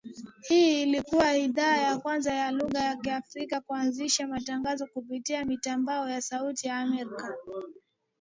Hii ilikua idhaa ya kwanza ya lugha ya Kiafrika kuanzisha matangazo kupitia mitambo ya Sauti ya Amerika